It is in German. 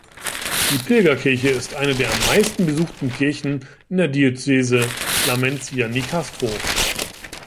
Die Pilgerkirche ist eine der am meisten besuchten Kirchen in der Diözese Lamenzia-Nicastro.